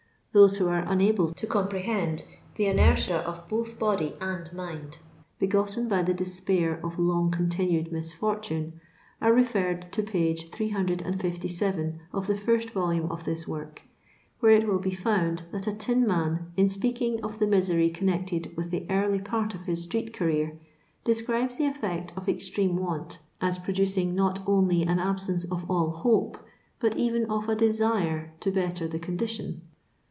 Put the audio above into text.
Those who are unable to com prehoKl the inertia of both body and mind be gotten by the despair of long continued misfortune are referred to page 357 of the first volume of this work, where it will be found that a tinman, in speaking of the misery connected with the early part of his street career, describes the effect of extreme want as producing not only an absence of all hope, but even of a desire to better the con dition.